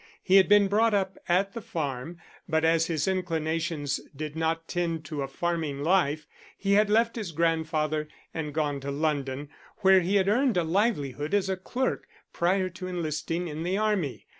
He had been brought up at the farm, but as his inclinations did not tend to a farming life, he had left his grandfather, and gone to London, where he had earned a livelihood as a clerk prior to enlisting in the Army.